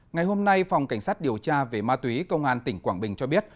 ngày hôm nay phòng cảnh sát điều tra về ma túy công an tỉnh quảng bình cho biết